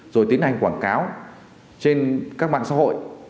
rồi tiến hành quảng cáo trên các mạng xã hội